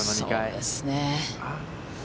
そうですね。